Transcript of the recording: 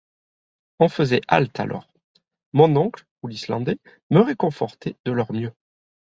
On faisait halte alors ; mon oncle ou l’Islandais me réconfortaient de leur mieux.